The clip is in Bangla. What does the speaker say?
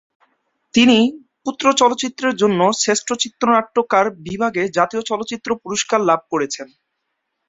তিনি পুত্র চলচ্চিত্রের জন্য শ্রেষ্ঠ চিত্রনাট্যকার বিভাগে জাতীয় চলচ্চিত্র পুরস্কার লাভ করেছেন।